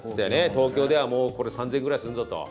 東京ではもうこれ３０００円ぐらいするぞと。